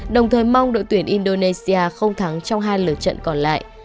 đồng thời mong đội tuyển indonesia không thắng trong hai lượt trận còn lại